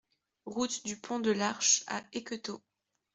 Route du Pont de l'Arche à Ecquetot